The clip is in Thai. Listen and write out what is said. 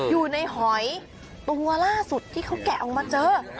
อยู่ในหอยตัวล่าสุดที่เขาแกะออกมาเจอ